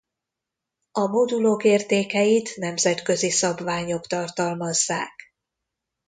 A modulok értékeit nemzetközi szabványok tartalmazzák.